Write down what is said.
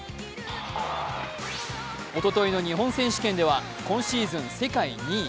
おとといの日本選手権では今シーズン世界２位。